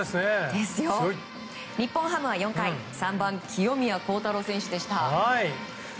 日本ハムは４回３番、清宮幸太郎選手でした。